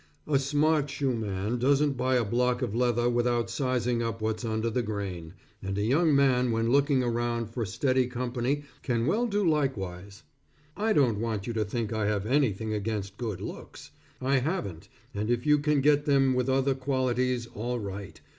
A smart shoe man, doesn't buy a block of leather without sizing up what's under the grain, and a young man when looking around for steady company can well do likewise. I don't want you to think I have anything against good looks, I haven't and if you can get them with other qualities, all right.